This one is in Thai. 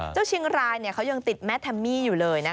เจ้าเชียงรายเขายังติดแมทแทมมี่อยู่เลยนะคะ